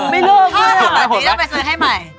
ไม่เริ่ม